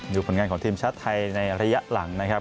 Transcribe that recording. ผลงานของทีมชาติไทยในระยะหลังนะครับ